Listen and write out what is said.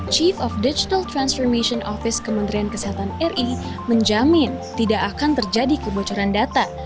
chief of digital transformation office kementerian kesehatan ri menjamin tidak akan terjadi kebocoran data